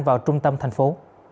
vào trung tâm thành phố